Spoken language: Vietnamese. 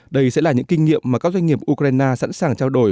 đây sẽ là những kinh nghiệm mà các doanh nghiệp ukraine sẵn sàng trao đổi